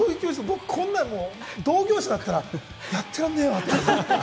僕、こんなの同業者だったら、やってらんねぇわ！って。